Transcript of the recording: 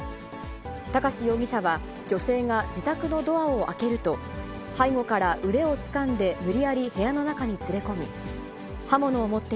高師容疑者は、女性が自宅のドアを開けると、背後から腕をつかんで無理やり部屋の中に連れ込み、刃物を持って